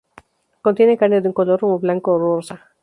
Contienen carne de un color un blanco o rosa.